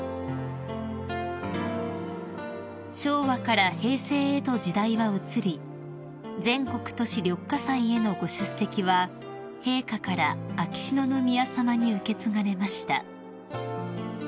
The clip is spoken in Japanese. ［昭和から平成へと時代は移り全国都市緑化祭へのご出席は陛下から秋篠宮さまに受け継がれました］